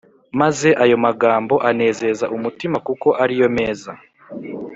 Maze ayo magambo anezeza umutima kuko ariyo meza